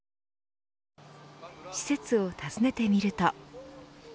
施設を訪ねてみると。